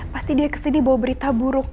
pasti dia kesini bawa berita buruk